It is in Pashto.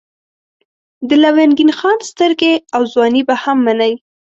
د لونګین خان سترګې او ځواني به هم منئ.